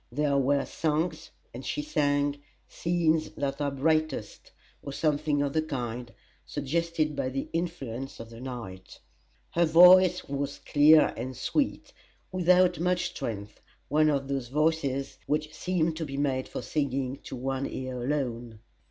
There were songs, and she sang "Scenes that are brightest," or something of the kind, suggested by the influences of the night. Her voice was clear and sweet, without much strength one of those voices which seem to be made for singing to one ear alone.